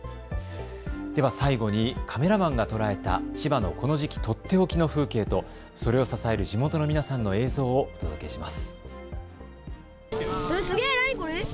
では最後にカメラマンが捉えた千葉のこの時期、取って置きの風景とそれを支える地元の皆さんの映像を届けします。